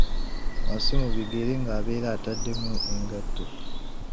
Wansi mu bigere ng'abeera atademu engatto